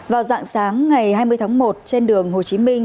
vào dạng sáng ngày hai mươi tháng một trên đường hồ chí minh